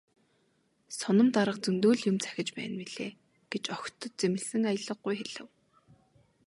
"Соном дарга зөндөө л юм захиж байна билээ" гэж огт зэмлэсэн аялгагүй хэлэв.